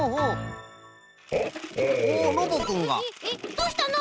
どうしたの？